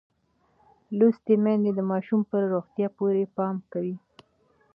لوستې میندې د ماشوم پر روغتیا پوره پام کوي.